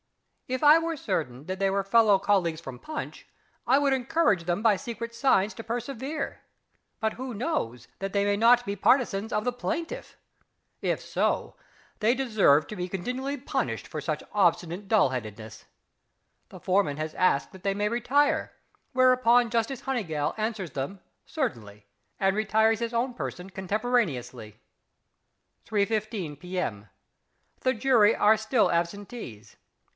If I were certain that they were fellow colleagues from Punch, I would encourage them by secret signs to persevere but who knows that they may not be partisans of the plaintiff? If so, they deserve to be condignly punished for such obstinate dull headedness.... The foreman has asked that they may retire, whereupon Justice HONEYGALL answers them, "certainly," and retires his own person contemporaneously.... 3.15 P.M. The jury are still absentees.